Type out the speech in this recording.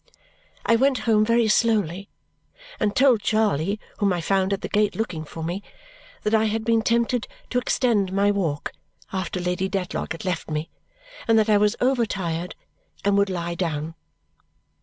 I went home very slowly and told Charley, whom I found at the gate looking for me, that I had been tempted to extend my walk after Lady Dedlock had left me and that I was over tired and would lie down.